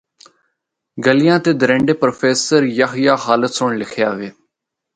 ’گلیاں تے درنڈے‘ پروفیسر یحییٰ خالد سنڑ لخیا وے۔